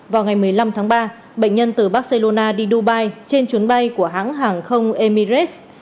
vào ngày một mươi năm tháng ba bệnh nhân từ barcelona đi dubai trên chuyến bay của hãng hàng không emirates